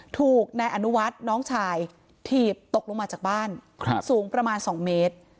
ถูกนายอนุวัฒน์น้องชายถีบตกลงมาจากบ้านสูงประมาณ๒เมตร